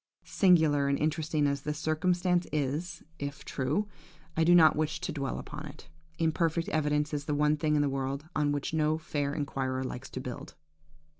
Singular and interesting as this circumstance is, if true, I do not wish to dwell upon it. Imperfect evidence is the one thing in the world on which no fair inquirer likes to build.